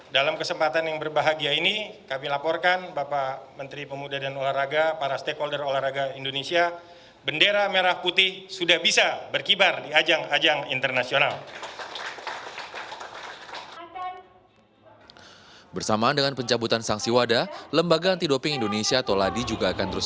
dalam kesempatan yang berbahagia ini kami laporkan